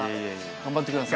頑張ってください。